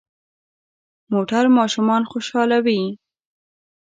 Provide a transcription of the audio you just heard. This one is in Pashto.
موټر ماشومان خوشحالوي.